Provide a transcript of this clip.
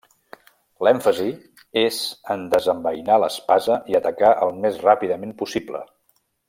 L'èmfasi és en desembeinar l'espasa i atacar al més ràpidament possible.